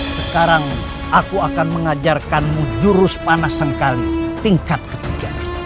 sekarang aku akan mengajarkanmu jurus panas sengkali tingkat ketiga